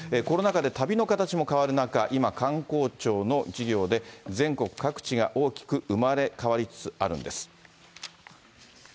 コロナ禍で旅の形も変わる中、今、観光庁の事業で全国各地が大きく生まれ変わりつつあるんです。